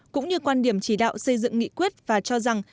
cũng như quan điểm chỉ đạo xây dựng nghị quyết và cho rằng